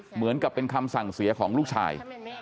เหมือนกับเป็นคำสั่งเสียของลูกชาย